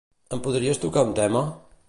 Em podries tocar un tema?